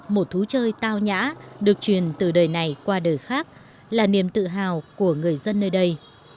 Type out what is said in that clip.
một thú chơi tao nhã được truyền từ đời này qua đời khác là niềm tự hào của người dân nơi đây